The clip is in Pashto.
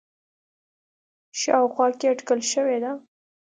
ه شاوخوا کې اټکل شوی دی